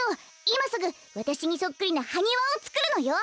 いますぐわたしにそっくりなハニワをつくるのよ。